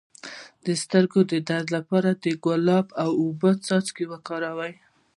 د سترګو د درد لپاره د ګلاب او اوبو څاڅکي وکاروئ